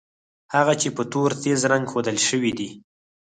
هغه چې په تور تېز رنګ ښودل شوي دي.